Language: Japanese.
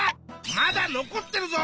まだ残ってるぞ！